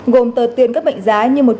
gồm tờ tiền các mệnh giá như